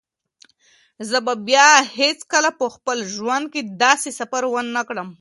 زه به بیا هیڅکله په خپل ژوند کې داسې سفر ونه کړم.